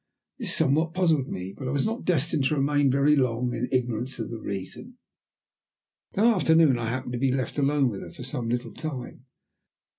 This somewhat puzzled me, but I was not destined to remain very long in ignorance of the reason. That afternoon I happened to be left alone with her for some little time.